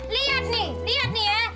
lihat nih lihat nih ya